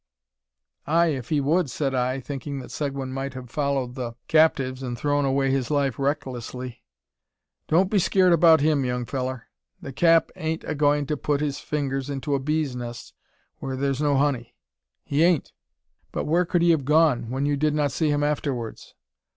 "Ay, if he would," said I, thinking that Seguin might have followed the captives, and thrown away his life recklessly. "Don't be skeert about him, young fellur. The cap ain't a gwine to put his fingers into a bee's nest whur thur's no honey; he ain't." "But where could he have gone, when you did not see him afterwards?"